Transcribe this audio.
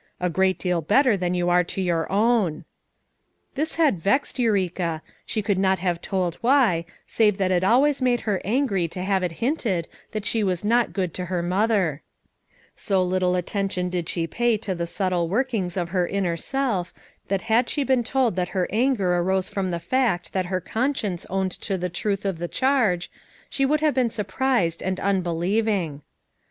a great deal better than you are to your own." This had vexed Eureka, she could not have told why, save that it always made her angry to have it hinted that she was not good to her 1* h 9T9 Ml i '■* •»1 132 FOUR MOTHERS AT CHAUTAUQUA mother. So little attention did she pay to the subtle workings of her inner self that had she been told that her anger arose from the fact that her conscience owned to the truth of the charge, she would have been surprised and un believing.